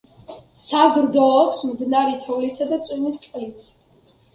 საზრდოობს მდნარი თოვლითა და წვიმის წყლით.